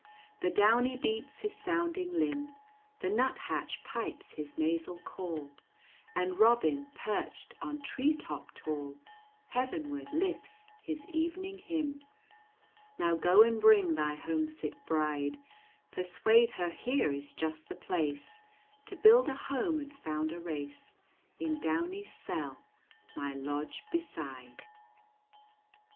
The downy beats his sounding limb, The nuthatch pipes his nasal call, And Robin perched on tree top tall Heavenward lifts his evening hymn. Now go and bring thy homesick bride, Persuade her here is just the place To build a home and found a race In Downy's cell, my lodge beside.